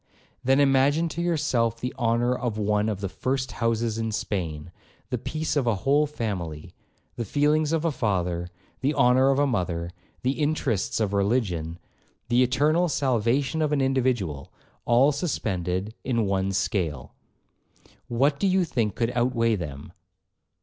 'Then imagine to yourself the honour of one of the first houses in Spain; the peace of a whole family,—the feelings of a father,—the honour of a mother,—the interests of religion,—the eternal salvation of an individual, all suspended in one scale. What do you think could outweigh them?'